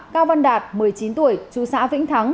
cao văn đạt một mươi chín tuổi chú xã vĩnh thắng